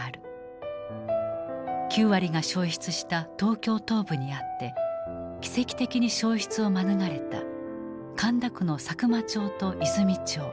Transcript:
９割が焼失した東京東部にあって奇跡的に焼失を免れた神田区の佐久間町と和泉町。